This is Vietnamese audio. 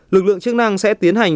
lực lượng chức năng sẽ tiến hành